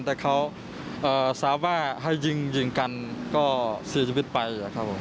แต่เขาทราบว่าให้ยิงกันก็เสียชีวิตไปครับผม